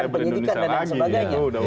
penyidikan dan sebagainya